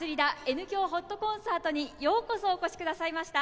Ｎ響ほっとコンサート」にようこそお越しくださいました。